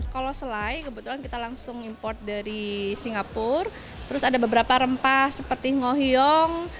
kalau selai kebetulan kita langsung import dari singapura terus ada beberapa rempah seperti ngoyong